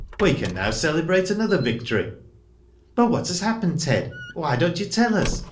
We can now celebrate another victory." "But what has happened, Ted? Why don't you tell us?"